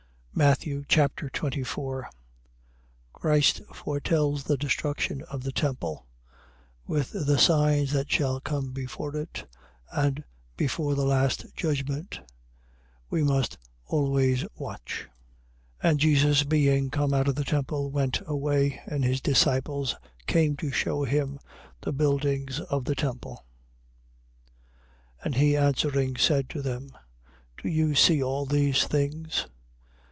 Matthew Chapter 24 Christ foretells the destruction of the temple, with the signs that shall come before it and before the last judgment. We must always watch. 24:1. And Jesus being come out of the temple, went away. And his disciples came to shew him the buildings of the temple. 24:2. And he answering, said to them: Do you see all these things?